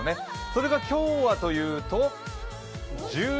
それが今日はというと、１８度。